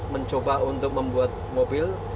mencoba untuk membuat mobil